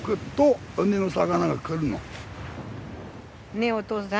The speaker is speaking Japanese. ねぇお父さん？